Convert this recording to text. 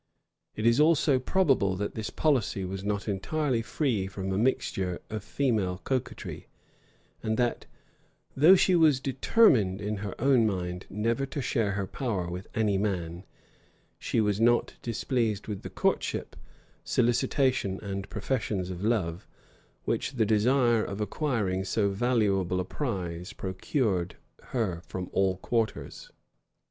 It is also probable that this policy was not entirely free from a mixture of female coquetry; and that, though she was determined in her own mind never to share her power with any man, she was not displeased with the courtship, solicitation, and professions of love, which the desire of acquiring so valuable a prize procured her from all quarters.